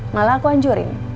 malah aku hancurin